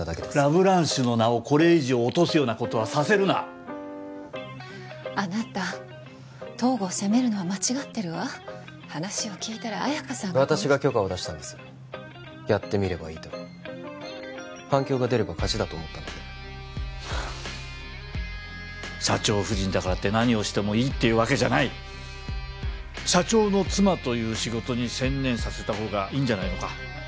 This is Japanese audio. ラ・ブランシュの名をこれ以上落とすようなことはさせるなあなた東郷を責めるのは間違ってるわ話を聞いたら綾華さんが私が許可を出したんですやってみればいいと反響が出れば勝ちだと思ったので社長夫人だからって何をしてもいいっていうわけじゃない社長の妻という仕事に専念させたほうがいいんじゃないのか？